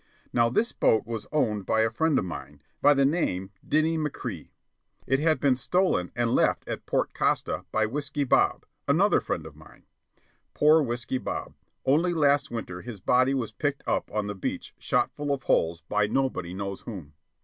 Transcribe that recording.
Now this boat was owned by a friend of mine, by name Dinny McCrea. It had been stolen and left at Port Costa by Whiskey Bob, another friend of mine. (Poor Whiskey Bob! Only last winter his body was picked up on the beach shot full of holes by nobody knows whom.)